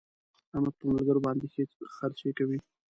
احمد په ملګرو باندې ښې خرڅې کوي.